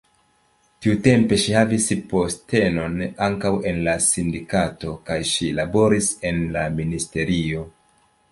Tiutempe ŝi havis postenon ankaŭ en la sindikato kaj ŝi laboris en la ministerio.